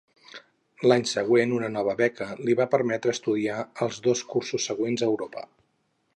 L'any següent, una nova beca li va permetre estudiar els dos cursos següents a Europa.